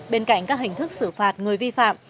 bên cạnh các hình thức xử phạt người vi phạm